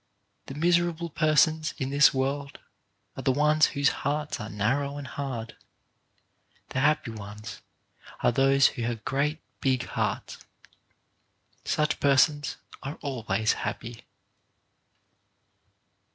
The miserable persons in this world are the ones whose hearts are narrow and hard; the happy ones are those who have great big hearts. Such persons are always happy.